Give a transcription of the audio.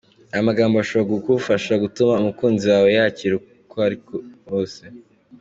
Aya magambo ashobora kugufasha gutuma umukunzi wawe yakira uko ari kose.